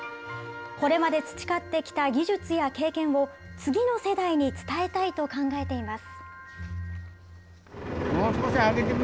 これまで培ってきた技術や経験を、次の世代に伝えたいと考えています。